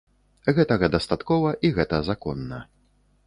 Гэтага дастаткова, і гэта законна.